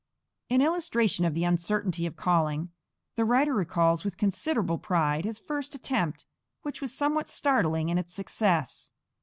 In illustration of the uncertainty of calling, the writer recalls with considerable pride his first attempt, which was somewhat startling in its success.